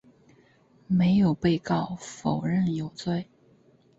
没有被告否认有罪。